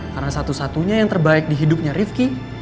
karena satu satunya yang terbaik di hidupnya rifki